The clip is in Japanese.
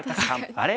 あれ？